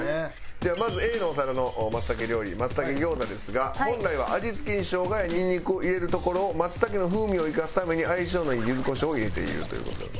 ではまずＡのお皿の松茸料理松茸餃子ですが本来は味付けに生姜やニンニクを入れるところを松茸の風味を生かすために相性のいい柚子胡椒を入れているという事で。